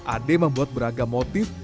ade membuat beragam motif